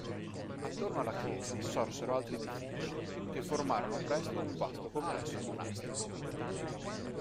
Attorno alla chiesa sorsero altri edifici, che formarono presto un vasto complesso monastico.